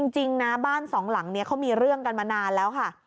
จริงนะบ้านสองหลังนี้เขามีเรื่องกันมานานแล้วค่ะ